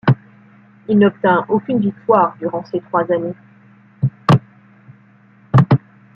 Il n'obtint aucune victoire durant ces trois années.